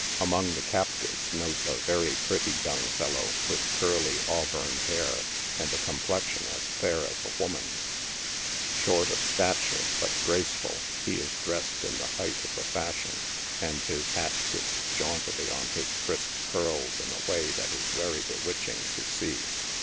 Among the captives note a very pretty young fellow, with curly, auburn hair, and a complexion as fair as a woman's. Short of star ture, but graceful, he is dressed in the height of the fashion, and his hat sits jauntily on his crisp curls in a way that is very bewitching to see.